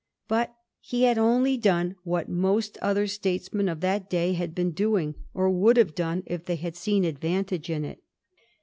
But he had only done what most other statesmen of that day had been doing, or would have done if they had seen advantage in it.